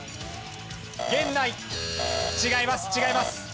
違います違います。